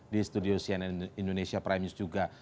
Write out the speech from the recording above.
di studio cnn indonesia prime news juga